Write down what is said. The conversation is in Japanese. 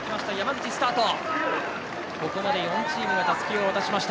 ここまで４チームがたすきを渡しました。